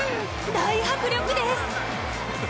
大迫力です！